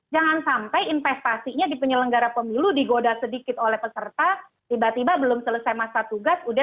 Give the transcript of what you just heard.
jangan sampai investasinya di penyelenggara pemilu digoda sedikit oleh peserta tiba tiba belum selesai masa tugas